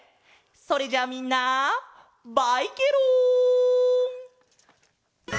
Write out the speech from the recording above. それじゃあみんなバイケロン！